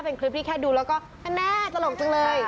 เป็นคลิปที่แค่ดูแล้วก็แน่ตลกจังเลย